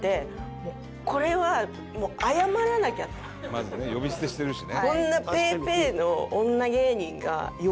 まずね呼び捨てしてるしね。